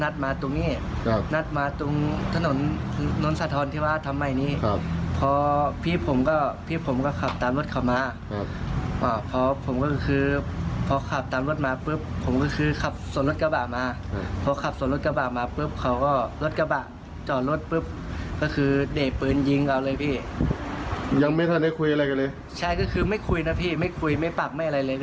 ใช่ก็ก็คือไม่คุยนะพี่ไม่คุยไม่ปากไม่อะไรเลย